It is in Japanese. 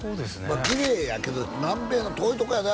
まあきれいやけど南米の遠いとこやで？